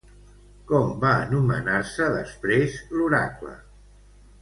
Com va anomenar-se després l'oracle?